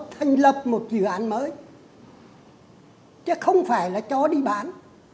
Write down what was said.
thành lập một dự án mới chứ không phải là cho đi bán